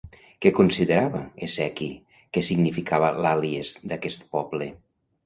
Què considerava Hesiqui que significava l'àlies d'aquest poble?